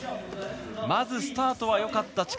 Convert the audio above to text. まずスタートはよかった。